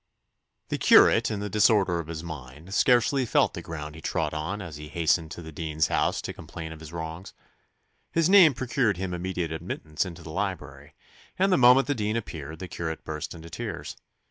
The curate, in the disorder of his mind, scarcely felt the ground he trod as he hastened to the dean's house to complain of his wrongs. His name procured him immediate admittance into the library, and the moment the dean appeared the curate burst into tears.